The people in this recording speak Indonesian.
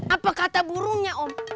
apa kata burungnya om